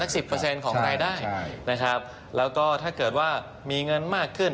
สัก๑๐ของรายได้นะครับแล้วก็ถ้าเกิดว่ามีเงินมากขึ้น